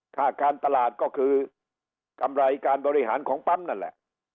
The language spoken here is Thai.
ค่าการตลาดก็คือกำไรการบริหารของปั๊มนั่นแหละ